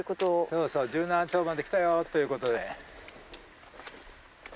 そうそう十七町まで来たよということで。